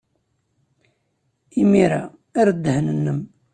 Imir-a, err ddehn-nnem.